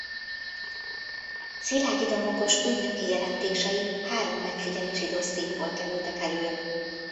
Szilágyi Domokos ügynöki jelentései három megfigyelési dossziéból kerültek elő.